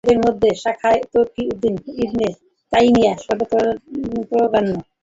এদের মধ্যে শায়খ তকী উদ্দীন ইবন তাইমিয়া সর্বাগ্রগণ্য।